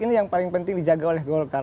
ini yang paling penting dijaga oleh golkar